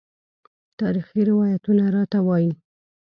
تاریخي روایتونه راته وايي.